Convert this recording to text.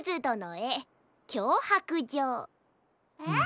えっ？